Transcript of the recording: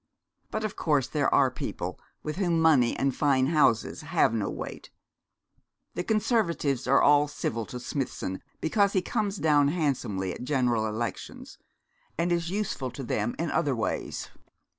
But of course there are people with whom money and fine houses have no weight. The Conservatives are all civil to Smithson because he comes down handsomely at General Elections, and is useful to them in other ways.